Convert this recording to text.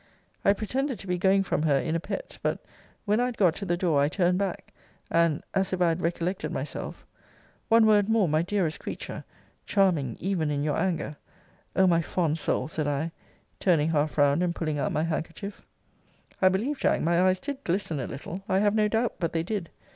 I pretended to be going from her in a pet; but, when I had got to the door, I turned back; and, as if I had recollected myself One word more, my dearest creature! Charming, even in your anger! O my fond soul! said I, turning half round, and pulling out my handkerchief. I believe, Jack, my eyes did glisten a little. I have no doubt but they did.